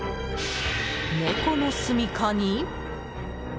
猫のすみかに？